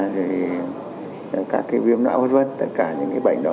thì các cái viêm não vất vất tất cả những cái bệnh đó